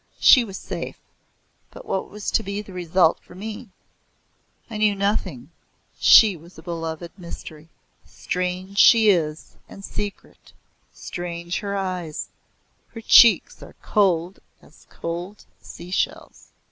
She was safe, but what was to be the result for me? I knew nothing she was a beloved mystery. "Strange she is and secret, Strange her eyes; her cheeks are cold as cold sea shells."